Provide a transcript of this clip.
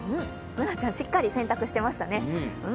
Ｂｏｏｎａちゃん、しっかり洗濯してましたね。